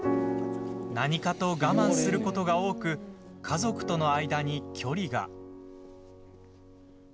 何かと我慢することが多く家族との間に距離が。